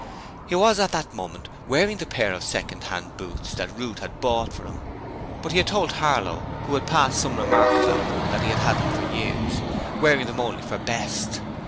He was at that moment wearing the pair of second hand boots that Ruth had bought for him, but he had told Harlow who had passed some remark about them that he had had them for years, wearing them only for best.